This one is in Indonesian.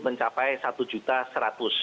mencapai satu satu juta